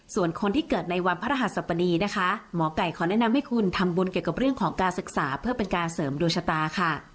ส่วนคนที่เกิดในวันพระรหัสบดีนะคะหมอไก่ขอแนะนำให้คุณทำบุญเกี่ยวกับเรื่องของการศึกษาเพื่อเป็นการเสริมดวงชะตาค่ะ